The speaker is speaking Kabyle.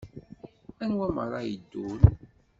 Anwa meṛṛa ara yeddun?